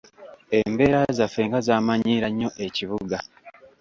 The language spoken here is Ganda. Embera zaffe nga zaamanyiira nnyo ekibuga.